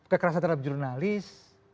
kekerasan terhadap jurnalis